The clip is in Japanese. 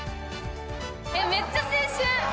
めっちゃ青春。